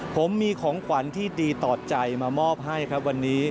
ผมมีของขวัญที่ดีต่อใจมามอบให้ครับวันนี้